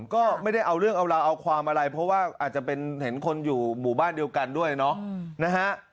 ก็ไม่ได้เอาเรื่องเอาราวเอาความอะไรเพราะว่าอาจจะเป็นเห็นคนอยู่หมู่บ้านเดียวกันด้วยเนาะนะฮะ